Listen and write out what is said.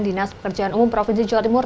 dinas pekerjaan umum provinsi jawa timur